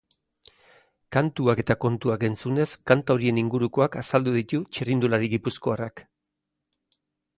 Kantuak eta kontuak entzunez kanta horien ingurukoak azaldu ditu txirrindulari gipuzkoarrak.